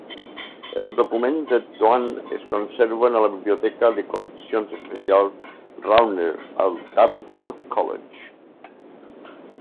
Els documents de Doan es conserven a la Biblioteca de Col·leccions Especials Rauner, al Dartmouth College.